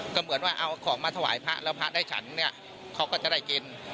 ก็เหมือนว่าเอาของมาถวายพระแล้วพระได้ฉันเนี่ยเขาก็จะได้กิน